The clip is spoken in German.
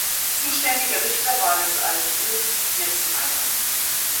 Zuständiger Richter war das AfD-Mitglied Jens Maier.